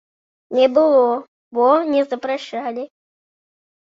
Не было, бо не запрашалі.